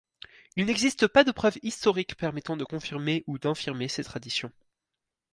Il n'existe par de preuves historiques permettant de confirmer ou d'infirmer ces traditions.